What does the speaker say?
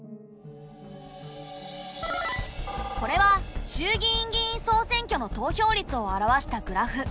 これは衆議院議員総選挙の投票率を表したグラフ。